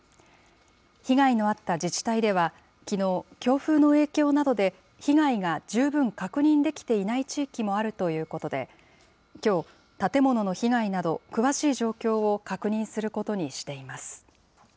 被害のあった自治体では、きのう、強風の影響などで、被害が十分確認できていない地域もあるということで、きょう、建物の被害など、詳しい状況を確認することにしています。